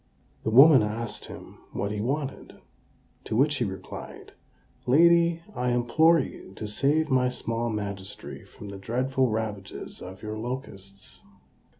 The woman asked him what he wanted; to which he replied, "Lady, I implore you to save my small magistracy from the dreadful ravages of your locusts."